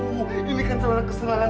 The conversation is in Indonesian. aduh ini kan celana keselamatan